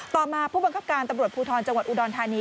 ต่อมาผู้บังคับการตำรวจภูทรจังหวัดอุดรธานี